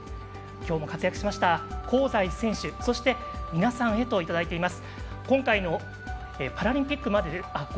きょうも活躍しました香西選手そして皆さんへと頂いています。